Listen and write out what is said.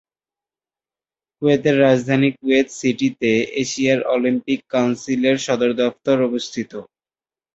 কুয়েতের রাজধানী কুয়েত সিটিতে এশিয়া অলিম্পিক কাউন্সিলের সদর দফতর অবস্থিত।